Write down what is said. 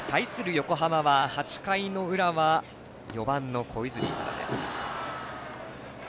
横浜は８回の裏は４番の小泉からです。